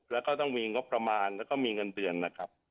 แล้วก็ต้องมีงบประมาณแล้วก็มีเงินเดือนนะครับ